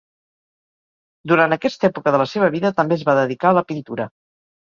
Durant aquesta època de la seva vida també es va dedicar a la pintura.